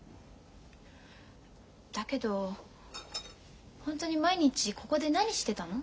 だけど本当に毎日ここで何してたの？